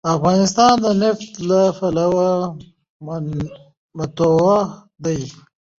افغانستان د نفت له پلوه متنوع دی.